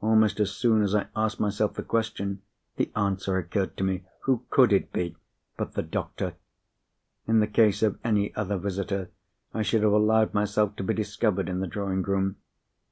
Almost as soon as I asked myself the question, the answer occurred to me. Who could it be but the doctor? In the case of any other visitor, I should have allowed myself to be discovered in the drawing room.